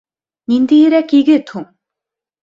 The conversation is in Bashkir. Ниндәйерәк егет һуң?